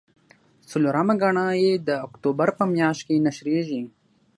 څلورمه ګڼه یې د اکتوبر په میاشت کې نشریږي.